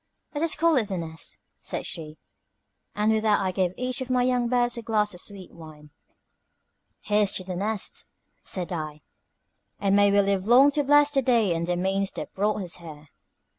"Let us call it The Nest," said she; and with that I gave each of my young birds a glass of sweet wine. "Here's to 'The Nest,'" said I; "and may we live long to bless the day and the means that brought us here."